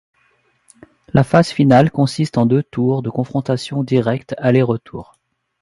La phase finale consiste en deux tours de confrontations directes aller-retour.